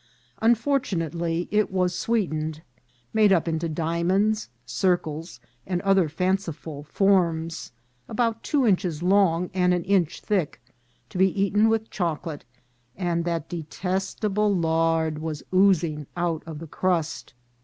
Unfortunately, it was sweetened, made up into diamonds, circles, and other fanciful forms, about two inches long and an inch thick, to be eaten with chocolate, and that detestable lard was oozing out of the crust.